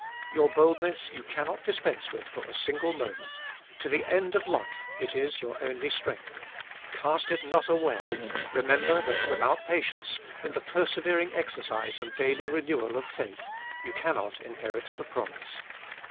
Your boldness you cannot dispense with for a single moment ; to the end of life it is your only strength. Cast it not away ; remember that without patience, in the persevering exercise and daily renewal of faith, you cannot inherit the promise.